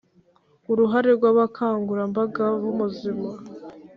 uruhare rw'abakangurabanga b'ubuzima,